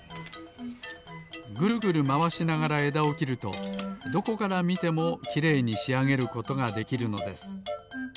ぐるぐるまわしながらえだをきるとどこからみてもきれいにしあげることができるのです。